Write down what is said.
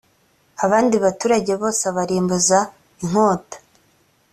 abandi baturage bose abarimbuza inkota.